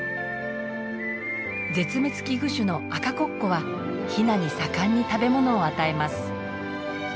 絶滅危惧種のアカコッコはヒナに盛んに食べ物を与えます。